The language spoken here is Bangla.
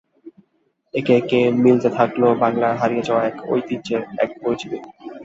একে একে মিলতে থাকল বাংলার হারিয়ে যাওয়া এক ঐতিহ্যের, এক পরিচিতির।